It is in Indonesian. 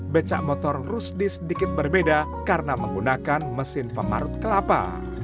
becak motor rusdi sedikit berbeda karena menggunakan mesin pemarut kelapa